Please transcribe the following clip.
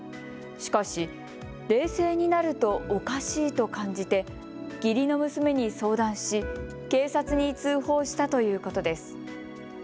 しかし冷静になるとおかしいと感じて義理の娘に相談し警察に通報したということです。